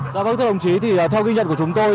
các thưa đồng chí thì theo ghi nhận của chúng tôi